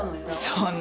そんな。